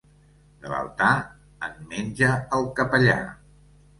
De l'altar, en menja el capellà.